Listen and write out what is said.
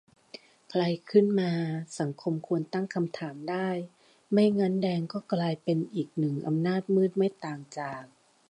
ใครขึ้นมา สังคมควรตั้งคำถามได้ ไม่งั้นแดงก็กลายเป็นอีกหนึ่งอำนาจมืด ไม่ต่างจาก